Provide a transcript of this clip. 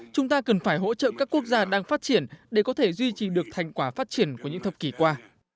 chúng ta cần phải hỗ trợ các quốc gia đang phát triển để có thể duy trì được thành quả phát triển của những thập kỷ qua